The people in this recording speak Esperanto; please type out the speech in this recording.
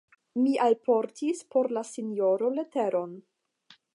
Mi alportis por la sinjoro leteron.